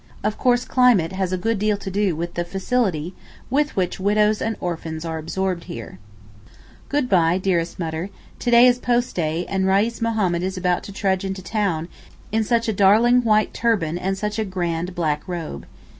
Of course climate has a good deal to do with the facility with which widows and orphans are absorbed here. Goodbye dearest Mutter: to day is post day, and Reis Mohammed is about to trudge into town in such a dazzling white turban and such a grand black robe.